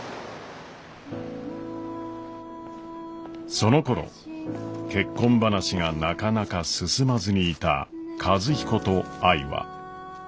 そのころ結婚話がなかなか進まずにいた和彦と愛は。